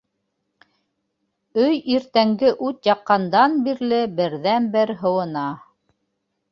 Өй иртәнге ут яҡҡандан бирле берҙән-бер һыуына.